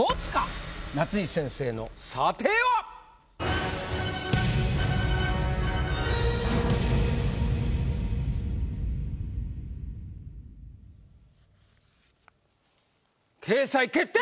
夏井先生の査定は⁉掲載決定！